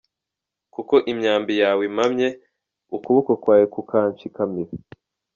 Kuko imyambi yawe impamye, Ukuboko kwawe kukanshikamira.